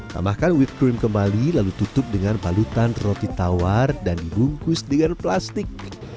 tambahkan white cream kembali lalu tutup dengan palutan roti tawar dan dibungkus dengan plastik